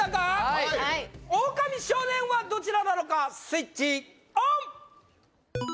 はいオオカミ少年はどちらなのかスイッチオン！